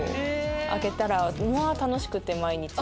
開けたらまぁ楽しくて毎日。